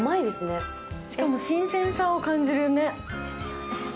しかも新鮮さを感じるね。